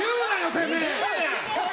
てめえ！